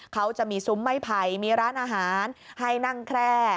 เขาจะมีซุ้มไม้ไผ่มีร้านอาหารให้นั่งแคร่